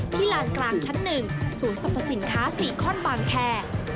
ที่ลานกลางชั้นหนึ่งศูนย์สรรพสินค้า๔ข้อนบานแค